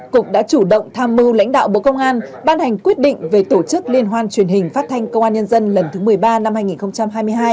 cục đã chủ động tham mưu lãnh đạo bộ công an ban hành quyết định về tổ chức liên hoan truyền hình phát thanh công an nhân dân lần thứ một mươi ba năm hai nghìn hai mươi hai